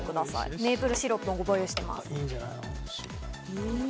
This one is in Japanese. メープルシロップもご用意してます。